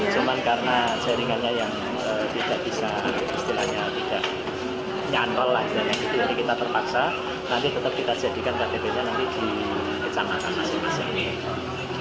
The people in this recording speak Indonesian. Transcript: jadi kita terpaksa nanti tetap kita jadikan ktp nya nanti di kecamatan masing masing